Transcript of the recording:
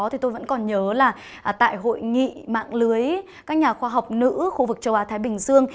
thì tôi vẫn còn nhớ là tại hội nghị mạng lưới các nhà khoa học nữ khu vực châu á thái bình dương